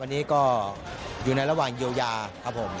วันนี้ก็อยู่ในระหว่างเยียวยาครับผม